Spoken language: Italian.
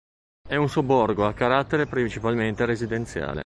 È un sobborgo a carattere principalmente residenziale.